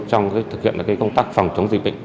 trong thực hiện công tác phòng chống dịch bệnh